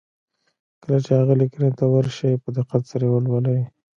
کله چې هغې ليکنې ته ور شئ په دقت سره يې ولولئ.